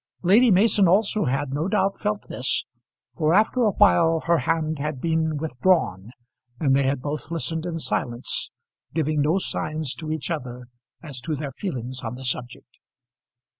Lady Mason also had, no doubt, felt this, for after a while her hand had been withdrawn, and they had both listened in silence, giving no signs to each other as to their feelings on the subject.